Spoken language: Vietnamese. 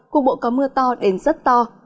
cục bộ có mưa to đến rất to